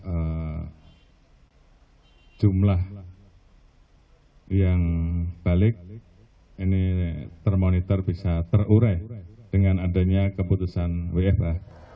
bahwa jumlah yang balik ini termonitor bisa terurai dengan adanya keputusan wfa